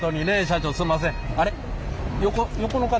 社長すんません。